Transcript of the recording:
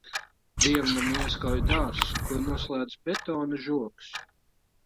Dievnamu ieskauj dārzs, ko noslēdz betona žogs.